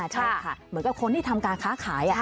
ใช่ค่ะเหมือนกับคนที่ทำการค้าขาย